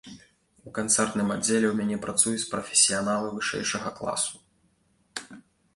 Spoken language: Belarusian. У канцэртным аддзеле ў мяне працуюць прафесіяналы вышэйшага класу.